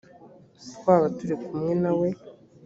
twaba turi kumwe na we